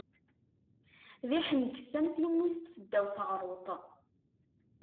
D iḥenges am timmist seddaw teɣṛuḍt.